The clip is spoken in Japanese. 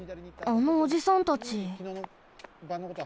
あのおじさんたち。